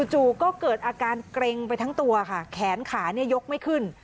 จู่ก็เกิดอาการเกร็งไปทั้งตัวค่ะแขนขายกไม่ขึ้น